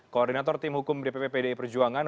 koordinator tim hukum dpp pdi perjuangan